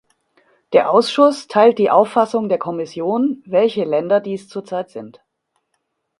Der Ausschuss teilt die Auffassung der Kommission, welche Länder dies zur Zeit sind.